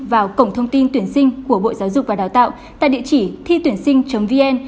vào cổng thông tin tuyển sinh của bộ giáo dục và đào tạo tại địa chỉ thituyểnsinh vn